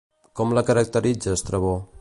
Com la caracteritza Estrabó?